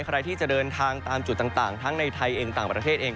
ใครที่จะเดินทางตามจุดต่างทั้งในไทยเองต่างประเทศเอง